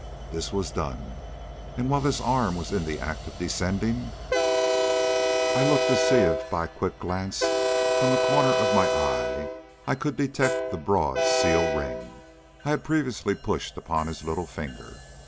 This was done, and while his arm was in the act of descending, I looked to see if by a quick glance from the corner of my eye I could detect the broad seal ring I had previously pushed upon his little finger.